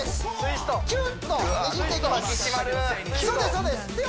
そうです